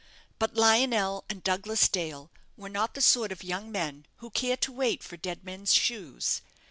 But Lionel and Douglas Dale were not the sort of young men who care to wait for dead men's shoes.